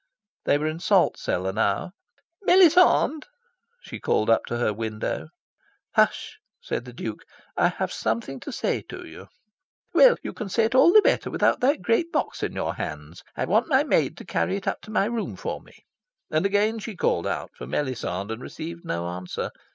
They were in Salt Cellar now. "Melisande!" she called up to her window. "Hush!" said the Duke, "I have something to say to you." "Well, you can say it all the better without that great box in your hands. I want my maid to carry it up to my room for me." And again she called out for Melisande, and received no answer.